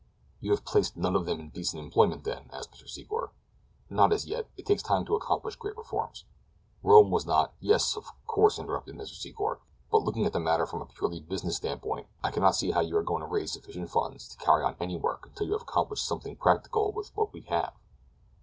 "You have placed none of them in decent employment, then?" asked Mr. Secor. "Not as yet—it takes time to accomplish great reforms—Rome was not—" "Yes, of course," interrupted Mr. Secor; "but, looking at the matter from a purely business standpoint, I cannot see how you are going to raise sufficient funds to carry on any work until you have accomplished something practical with what you have.